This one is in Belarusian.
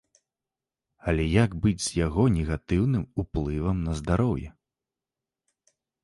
Але як быць з яго негатыўным уплывам на здароўе?